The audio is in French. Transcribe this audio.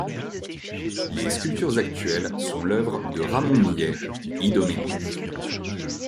Les sculptures actuelles sont l’œuvre de Ramon Millet i Domènech.